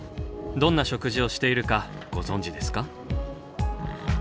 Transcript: どんな食事をしているかご存じですか？